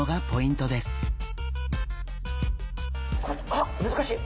あっ難しい。